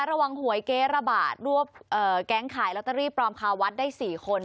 หวยเก๊ระบาดรวบแก๊งขายลอตเตอรี่ปลอมคาวัดได้๔คน